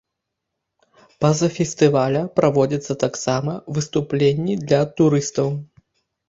Па-за фестываля праводзяцца таксама выступленні для турыстаў.